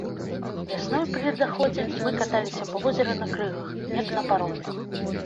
Вясной пры ледаходзе мы каталіся па возеры на крыгах, як на пароме.